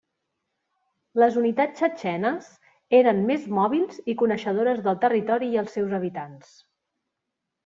Les unitats txetxenes eren més mòbils i coneixedores del territori i els seus habitants.